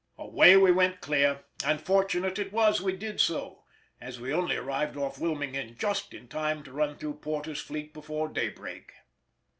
Away we went clear, and fortunate it was we did so, as we only arrived off Wilmington just in time to run through Porter's fleet before daybreak.